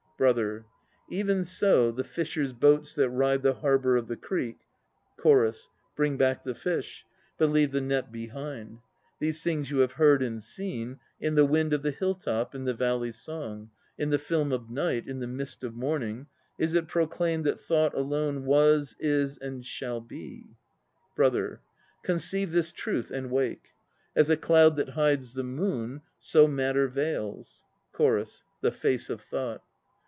BROTHER. Even so the fisher's boats that ride The harbour of the creek, CHORUS. Bring back the fish, but leave the net behind. These things you have heard and seen; In the wind of the hill top, in the valley's song, In the film of night, in the mist of morning Is it proclaimed that Thought alone Was, Is and Shall be. BROTHER. Conceive this truth and wake! As a cloud that hides the moon, so Matter veils CHORUS. The face of Thought.